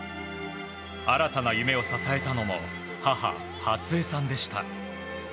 新たな夢を支えたのも母・初江さんでした。